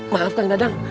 maaf kang dadang